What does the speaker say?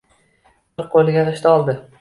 Bir qo‘liga g‘isht oldi.